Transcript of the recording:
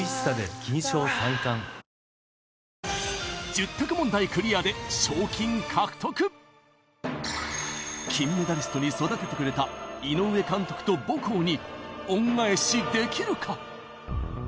１０択問題クリアで賞金獲得金メダリストに育ててくれた井上監督と母校に恩返しできるか？